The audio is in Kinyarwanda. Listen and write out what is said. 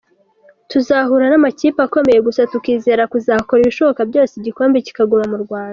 Tuzahura n’amakipe akomeye, gusa tukizera kuzakora ibishoboka byose igikombe kikaguma mu Rwanda".